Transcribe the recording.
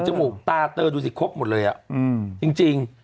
มูกตาเตอดูสิครบหมดเลยจริง